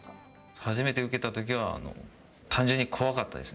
初めて受けたときは、単純怖かったです。